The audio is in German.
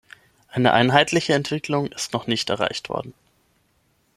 Eine einheitliche Entwicklung ist noch nicht erreicht worden.